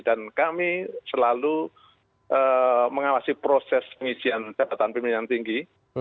dan kami selalu mengawasi proses pengisian jabatan pimpinan tinggi